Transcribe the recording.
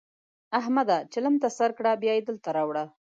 احمده! چلم ته سر کړه؛ بيا يې دلته راوړه.